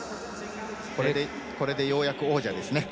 これでようやく王者ですね。